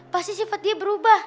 pasti sifat dia berubah